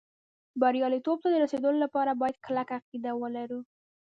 بریالېتوب ته د رسېدو لپاره باید کلکه عقیده ولرو